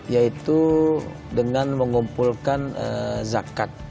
yaitu dengan mengumpulkan zakat